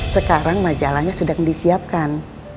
sekarang majalahnya sudah disiapkan